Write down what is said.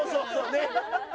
ねっ！